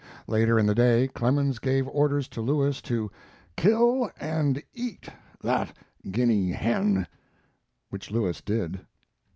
Later in the day Clemens gave orders to Lewis to "kill and eat that guinea hen," which Lewis did.